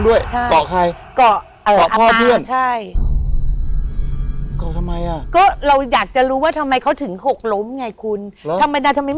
อเรนนี่เมื่อคันนี้เสร็จเราก็มองพอมองไปอะวิญญาณอะเกาะแบบเอาขาติดกับหลังอย่างนี้เลยวิญญาณผู้หญิง